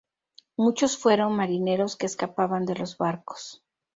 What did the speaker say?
Muchos fueron marineros que escapaban de los barcos.